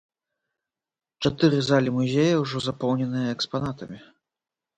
Чатыры залі музея ўжо запоўненыя экспанатамі.